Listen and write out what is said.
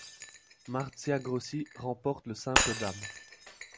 Marzia Grossi remporte le simple dames.